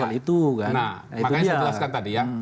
nah makanya saya jelaskan tadi ya